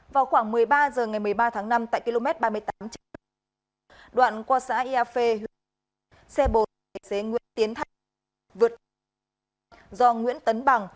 vào khoảng một mươi ba h ngày một mươi ba tháng năm tại km ba mươi tám đoạn qua xã yafê xe bồn tài xế nguyễn tiến thái vượt qua xã yafê do nguyễn tấn bằng